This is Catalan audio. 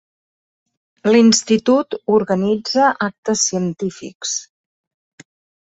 L'institut organitza actes científics.